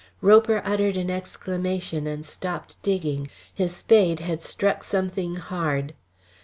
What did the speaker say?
Roper uttered an exclamation and stopped digging. His spade had struck something hard.